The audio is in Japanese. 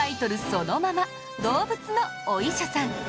そのまま動物のお医者さん